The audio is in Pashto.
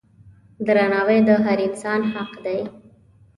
درناوی د هر انسان حق دی.